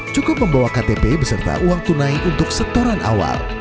cukup membawa ktp beserta uang tunai untuk setoran awal